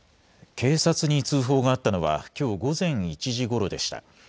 警察に通報があったのはきょう午前１時ごろでした。